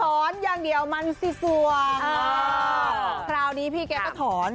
โหถอนอย่างเดี๋ยวมันส่วนอ่าเขาราวนี้พี่แก๊กต้องถอน